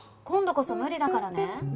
今度こそ無理だからね。